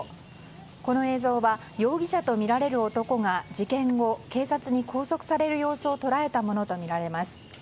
この映像は容疑者とみられる男が事件後、警察に拘束される様子を捉えたものとみられます。